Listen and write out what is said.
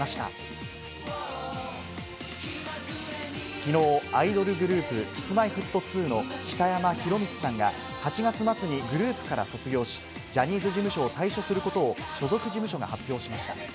きのうアイドルグループ、Ｋｉｓ−Ｍｙ−Ｆｔ２の北山宏光さんが８月末にグループから卒業し、ジャニーズ事務所を退所することを所属事務所が発表しました。